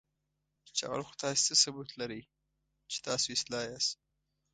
چې اول خو تاسو څه ثبوت لرئ، چې تاسو اصلاح یاست؟